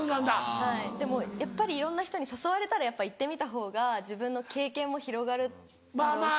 はいでもやっぱりいろんな人に誘われたら行ってみたほうが自分の経験も広がるだろうし。